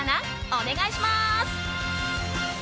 お願いします！